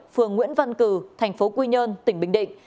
phường nguyễn văn cử thành phố quy nhơn tỉnh bình định